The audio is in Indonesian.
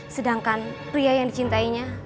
sedangkan pria yang dicintainya